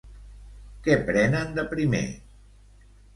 Què prenen de primer?